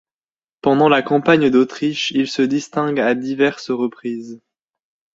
Pendant la campagne d'Autriche il se distingue à diverses reprises.